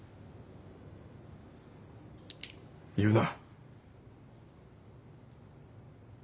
言うな。